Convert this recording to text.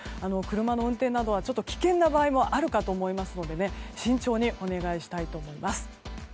車の運転などはちょっと危険な場合もあるかと思いますので慎重にお願いしたいと思います。